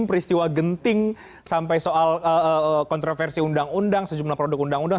peristiwa genting sampai soal kontroversi undang undang sejumlah produk undang undang